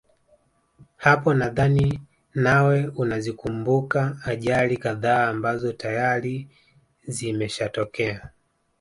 Hapo nadhani nawe unazikumbuka ajali kadhaa ambazo tayari zimshatokea